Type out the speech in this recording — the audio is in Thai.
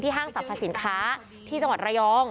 ห้างสรรพสินค้าที่จังหวัดระยอง